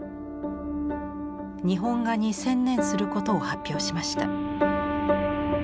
日本画に専念することを発表しました。